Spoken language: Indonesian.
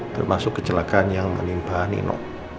termasuk kecelakaan yang menimpa nino